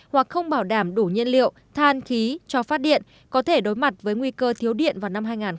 hoặc không bảo đảm đủ nhiên liệu than khí cho phát điện có thể đối mặt với nguy cơ thiếu điện vào năm hai nghìn hai mươi